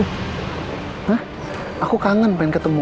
hah aku kangen pengen ketemu